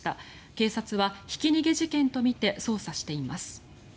警察はひき逃げ事件とみて捜査しています。